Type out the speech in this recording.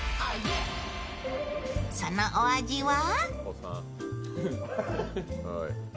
そのお味は？